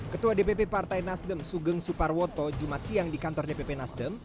ketua dpp partai nasdem sugeng suparwoto jumat siang di kantor dpp nasdem